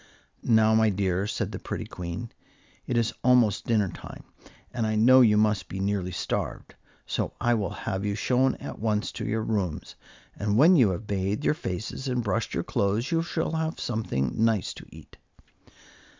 "Now, my dears," said the pretty Queen, "it is almost dinner time, and I know you must be nearly starved; so I will have you shown at once to your rooms, and when you have bathed your faces and brushed your clothes you shall have something nice to eat."